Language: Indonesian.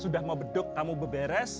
sudah mau beduk kamu berberes